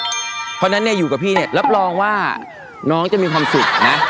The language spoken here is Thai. เพราะฉะนั้นเนี่ยอยู่กับพี่เนี่ยรับรองว่าน้องจะมีความสุขนะ